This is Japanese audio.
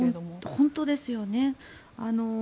本当ですよね。